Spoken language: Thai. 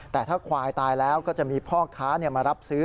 แต่ถ้าควายตายแล้วก็จะมีพ่อค้ามารับซื้อ